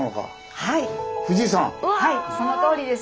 はいそのとおりです。